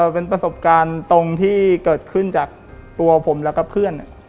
เป็นประสบการณ์ตรงที่เกิดขึ้นจากตัวผมแล้วก็เพื่อน